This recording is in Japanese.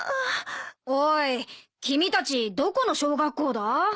おい君たちどこの小学校だ？